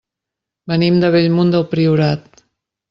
Venim de Bellmunt del Priorat.